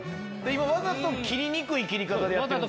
今わざと切りにくい切り方でやってるんですもんね？